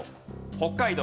北海道